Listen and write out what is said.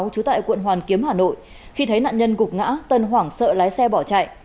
trú tại quận hoàn kiếm hà nội khi thấy nạn nhân gục ngã tân hoảng sợ lái xe bỏ chạy